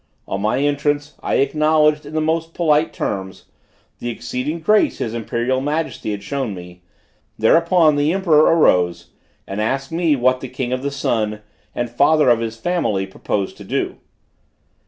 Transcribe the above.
On my entrance, I acknowledged, in the most polite terms, the exceeding grace his imperial majesty had shown me; thereupon the emperor arose and asked me what the king of the sun, and father of his family proposed to do.